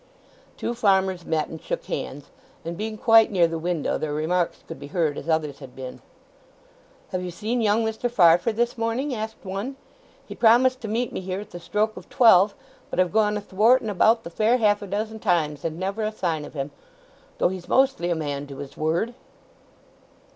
Two farmers met and shook hands, and being quite near the window their remarks could be heard as others' had been. "Have you seen young Mr. Farfrae this morning?" asked one. "He promised to meet me here at the stroke of twelve; but I've gone athwart and about the fair half a dozen times, and never a sign of him: though he's mostly a man to his word."